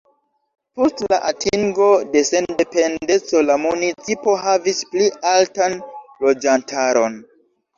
Post la atingo de sendependeco la municipo havis pli altan loĝantaron.